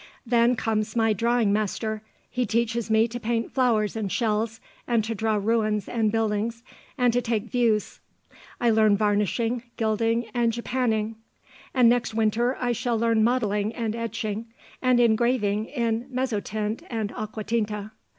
Then comes my drawing master; he teaches me to paint flowers and shells, and to draw ruins and buildings, and to take views.... I learn varnishing, gilding, and Japanning. And next winter, I shall learn modelling and etching and engraving in mezzotint and aquatinta.